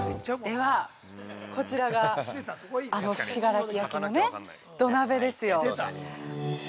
◆では、こちらがあの信楽焼の土鍋ですよ。